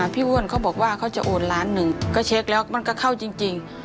อ้วนเขาบอกว่าเขาจะโอนล้านหนึ่งก็เช็คแล้วมันก็เข้าจริง